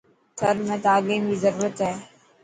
ٿر ۾ تعليم ري ضرورت هي.